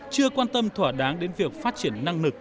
chưa quan tâm thỏa đáng đến việc phát triển năng lực